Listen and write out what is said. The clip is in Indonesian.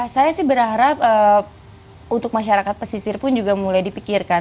saya sih berharap untuk masyarakat pesisir pun juga mulai dipikirkan